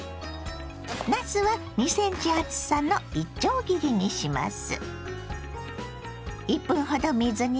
なすは２ｃｍ厚さのいちょう切りにします。